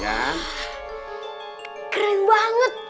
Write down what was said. wah keren banget